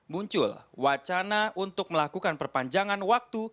muncul wacana untuk melakukan perpanjangan waktu